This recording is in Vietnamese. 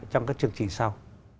trong các chương trình sau